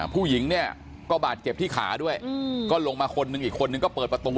ผู้หญิงเนี่ยก็บาดเจ็บที่ขาด้วยก็ลงมาคนนึงอีกคนนึงก็เปิดประตู